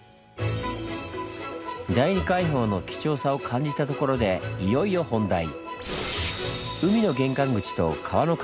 第二海堡の貴重さを感じたところでいよいよ本題！